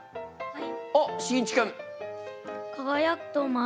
はい！